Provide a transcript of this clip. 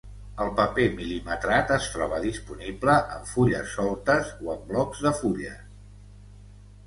El paper mil·limetrat es troba disponible en fulles soltes o en blocs de fulles.